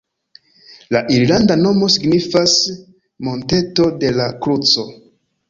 La irlanda nomo signifas “monteto de la kruco”.